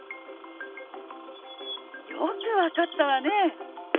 よく分かったわね。